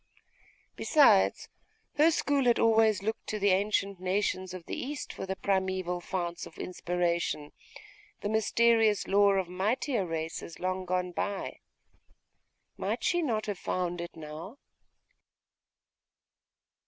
Besides, her school had always looked to the ancient nations of the East for the primeval founts of inspiration, the mysterious lore of mightier races long gone by. Might she not have found it now?